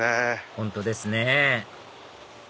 本当ですね